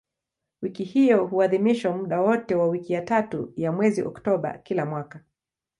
Wiki hiyo huadhimishwa muda wote wa wiki ya tatu ya mwezi Oktoba kila mwaka.